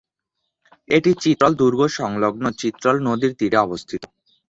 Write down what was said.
এটি চিত্রল দুর্গ সংলগ্ন চিত্রল নদীর তীরে অবস্থিত।